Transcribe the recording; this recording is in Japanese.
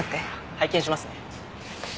拝見しますね。